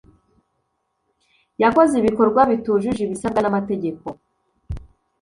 yakoze ibikorwa bitujuje ibisabwa n’amategeko